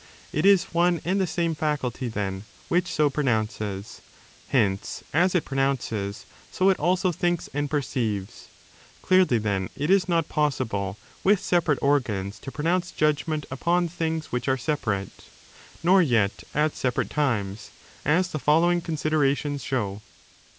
It is one and the same faculty, then, which so pronounces. Hence, as it pronounces, so it also thinks 12 and perceives. Clearly, then, it is not possible with separate organs to pronounce judgment upon things which are separate: nor yet at separate times, as the following considerations show.